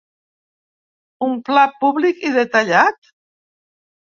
Un pla públic i detallat?